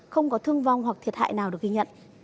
không có thương vong hoặc thiệt hại nào được ghi nhận